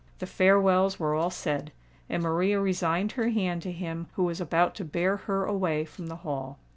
The farewells were all said; and Maria resigned her hand to him who was about to bear her away from the Hall.